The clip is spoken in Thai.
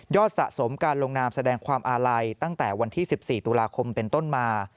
สะสมการลงนามแสดงความอาลัยตั้งแต่วันที่๑๔ตุลาคมเป็นต้นมา